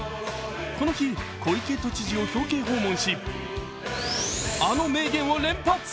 この日、小池都知事を表敬訪問し、あの名言を連発。